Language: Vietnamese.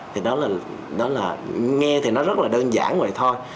thì đó là nghe thì nó rất là đơn giản vậy thôi